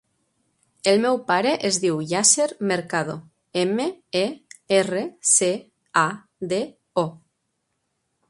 El meu pare es diu Yasser Mercado: ema, e, erra, ce, a, de, o.